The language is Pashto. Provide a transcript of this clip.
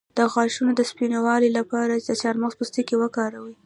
د غاښونو د سپینولو لپاره د چارمغز پوستکی وکاروئ